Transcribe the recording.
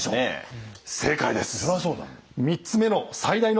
正解です。